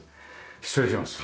失礼します。